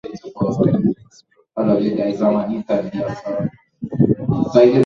kwani yale aliyoahidi wakati wa kampeni zake